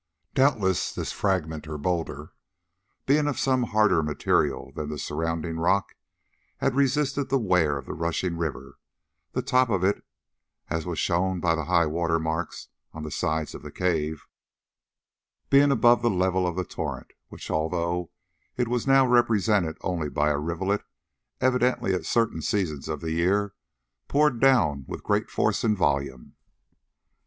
Doubtless this fragment or boulder, being of some harder material than the surrounding rock, had resisted the wear of the rushing river; the top of it, as was shown by the high water marks on the sides of the cave, being above the level of the torrent, which, although it was now represented only by a rivulet, evidently at certain seasons of the year poured down with great force and volume.